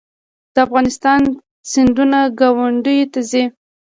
د افغانستان سیندونه ګاونډیو ته ځي